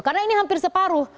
karena ini hampir separuh